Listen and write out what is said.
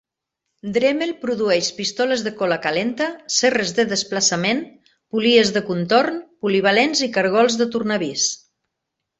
Dremel produeix pistoles de cola calenta, serres de desplaçament, polies de contorn, polivalents i cargols de tornavís.